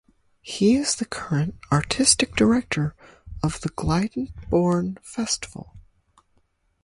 He is the current Artistic Director of the Glyndebourne Festival.